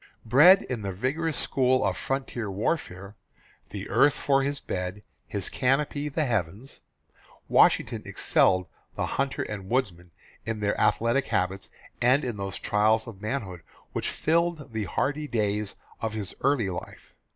Bred in the vigorous school of frontier warfare, "the earth for his bed, his canopy the heavens," Washington excelled the hunter and woodsman in their athletic habits and in those trials of manhood which filled the hardy days of his early life.